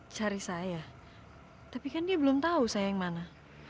cari saya tapi kan dia belum tahu saya yang mana